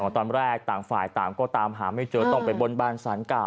ตอนแรกต่างฝ่ายต่างก็ตามหาไม่เจอต้องไปบนบานสารเก่า